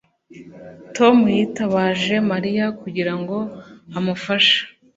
Tom yitabaje Mariya kugira ngo amufashe